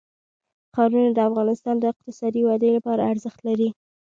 ښارونه د افغانستان د اقتصادي ودې لپاره ارزښت لري.